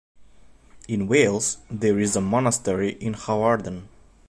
In Wales, there is a monastery in Hawarden.